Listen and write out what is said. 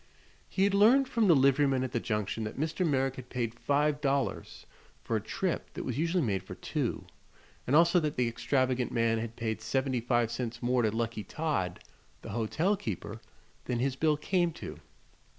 He had learned from the liveryman at the Junction that Mr. Merrick had paid five dollars for a trip that was usually made for two, and also that the extravagant man had paid seventy five cents more to Lucky Todd, the hotel keeper, than his bill came to.